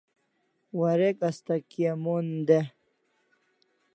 Warek asta kia mon de